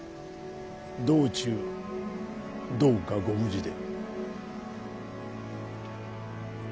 道中どうかご無事で。